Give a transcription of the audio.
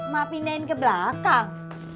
mak pindahin ke belakang